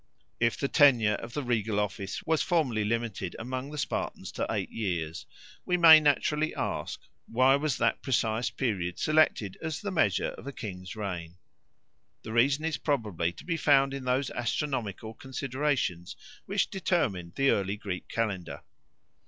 If the tenure of the regal office was formerly limited among the Spartans to eight years, we may naturally ask, why was that precise period selected as the measure of a king's reign? The reason is probably to be found in those astronomical considerations which determined the early Greek calendar.